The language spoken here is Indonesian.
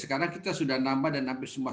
sekarang kita sudah nambah dan hampir sembuh